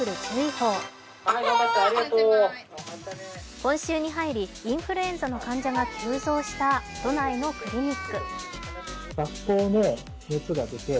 今週に入り、インフルエンザの患者が急増した都内のクリニック。